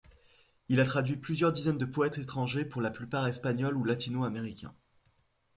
Il a traduit plusieurs dizaines de poètes étrangers pour la plupart espagnols ou latino-américains.